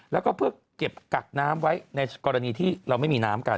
แล้วก็เพื่อเก็บกักน้ำไว้ในกรณีที่เราไม่มีน้ำกัน